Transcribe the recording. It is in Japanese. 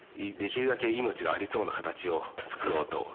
できるだけ命がありそうな形を作ろうと。